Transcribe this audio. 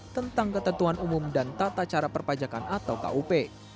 tentang ketentuan umum dan tata cara perpajakan atau kup